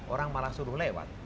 orang malah suruh lewat